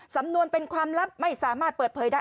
สำนวนเป็นความลับไม่สามารถเปิดเผยได้